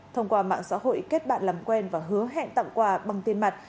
thông qua mạng xã hội kết bạn làm quen và hứa hẹn tặng quà bằng tiền mặt